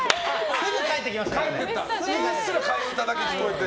すぐに帰っていきましたね。